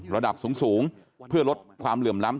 ระดับสูงเพื่อลดความเหลื่อมล้ำ